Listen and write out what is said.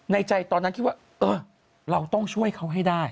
ในใจตอนนั้นคิดว่าเออเราต้องช่วยเขาให้ได้